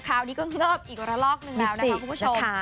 คราวนี้เงิบอีกระล๊อบหนึ่งแถวนี่นะคะคุณผู้ชม